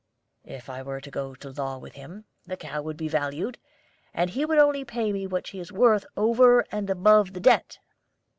If I were to go to law with him, the cow would be valued, and he would only pay me what she is worth over and above the debt.